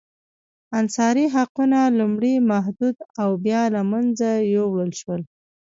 انحصاري حقونه لومړی محدود او بیا له منځه یووړل شول.